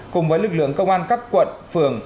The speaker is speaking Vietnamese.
cùng với lực lượng công an các quận phường